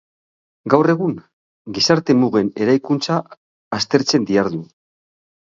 Gaur egun, gizarte-mugen eraikuntza aztertzen dihardu.